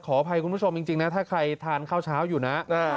ขออภัยคุณผู้ชมจริงนะถ้าใครทานข้าวเช้าอยู่นะ